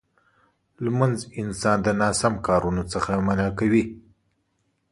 لمونځ انسان د ناسم کارونو څخه منع کوي.